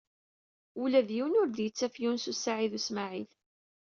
Ula d yiwen ur d-yettaf Yunes u Saɛid u Smaɛil.